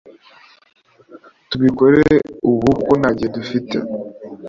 tubikore ubu kuko nagihe dufite